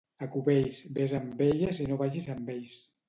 A Cubells, ves amb elles i no vagis amb ells.